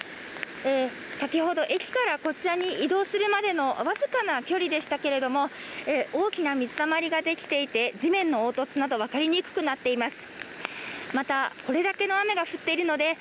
先ほど駅からこちらに移動するまでの僅かな距離でしたけれども、大きな水たまりができていて地面の凹凸など、分かりにくくなっています。